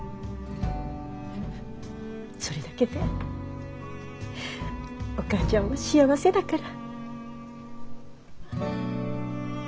それだけでお母ちゃんは幸せだから。